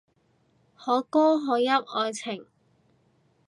可歌可泣愛情